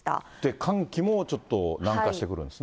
寒気もちょっと南下してくるんですね。